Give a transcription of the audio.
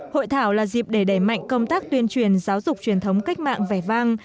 hội thảo là dịp để đẩy mạnh công tác tuyên truyền giáo dục truyền thống cách mạng vẻ vang